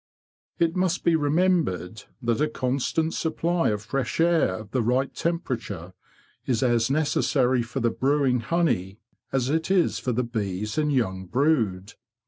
It must be remembered that a constant supply of fresh air of the right temperature is as necessary for the brewing honey as it is for the bees and young brood.